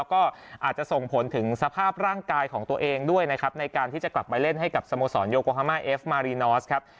ก็อาจจะส่งผลถึงสภาพร่างกายของตัวเองด้วยนะครับในการที่จะกลับไปเล่นให้กับสโมสรโยโกฮามาเอฟมารีนอสครับ